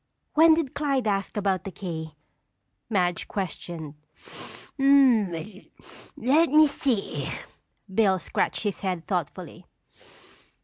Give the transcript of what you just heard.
"When did Clyde ask about the key?" Madge questioned. "Lemme see," Bill scratched his head thoughtfully.